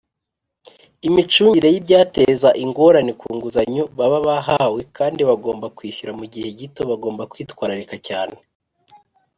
imicungire y’ ibyateza ingorane ku nguzanyo baba bahawe kandi bagomba kwishyura mu gihe gito bagomba kwitwararika cyane.